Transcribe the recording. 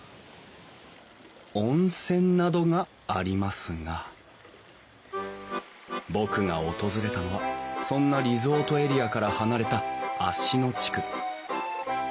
温泉などがありますが僕が訪れたのはそんなリゾートエリアから離れた芦野地区。